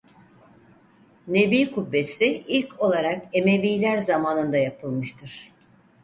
Nebi Kubbesi ilk olarak Emevîler zamanında yapılmıştır.